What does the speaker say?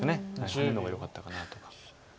ハネの方がよかったかなとか。